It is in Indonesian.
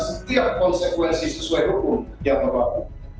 setiap konsekuensi sesuai hukum yang berlaku